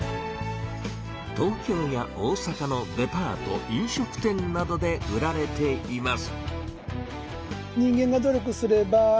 東京や大阪のデパート飲食店などで売られています。